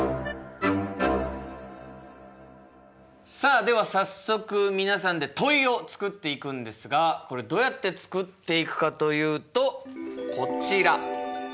さあでは早速皆さんで問いを作っていくんですがこれどうやって作っていくかというとこちら。